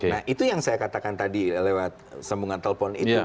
nah itu yang saya katakan tadi lewat sambungan telepon itu